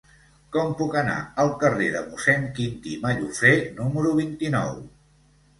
Com puc anar al carrer de Mossèn Quintí Mallofrè número vint-i-nou?